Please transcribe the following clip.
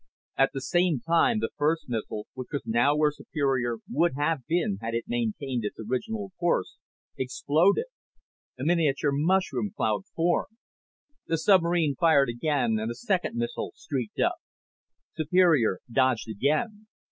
At the same time the first missile, which was now where Superior would have been had it maintained its original course, exploded. A miniature mushroom cloud formed. The submarine fired again and a second missile streaked up. Superior dodged again.